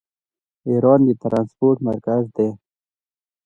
ایران د ټرانسپورټ مرکز دی.